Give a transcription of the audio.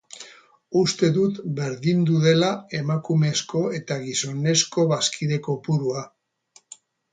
Uste dut berdindu dela emakumezko eta gizonezko bazkide kopurua.